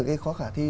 cái khó khả thi